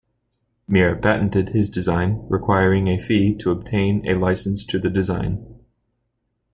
Mier patented his design, requiring a fee to obtain a license to the design.